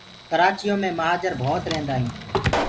ڪرآچِيو مي مهآجر ڀوت ريهنٚدآ هينٚ